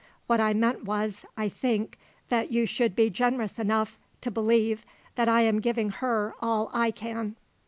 What I meant was, I think, that you should be generous enough to believe that I am giving her all I can."